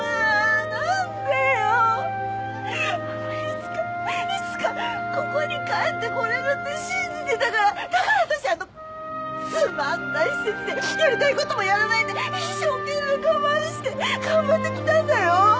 いつかいつかここに帰ってこれるって信じてたからだから私あのつまんない施設でやりたいこともやらないで一生懸命我慢して頑張ってきたんだよ。